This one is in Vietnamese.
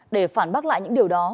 để phản bác lại những điều đó